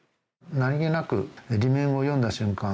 「何気なく裏面を読んだ瞬間